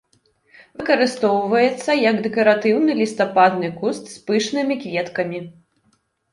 Выкарыстоўваецца як дэкаратыўны лістападны куст з пышнымі кветкамі.